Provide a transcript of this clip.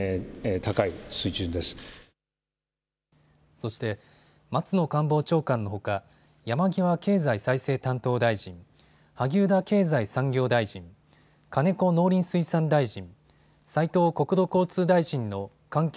そして松野官房長官のほか山際経済再生担当大臣、萩生田経済産業大臣、金子農林水産大臣、斉藤国土交通大臣の関係